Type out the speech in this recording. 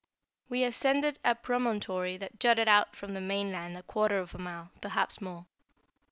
We ascended a promontory that jutted out from the main land a quarter of a mile, perhaps more.